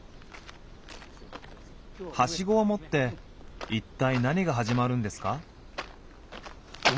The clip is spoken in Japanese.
はしごを持って一体何が始まるんですか？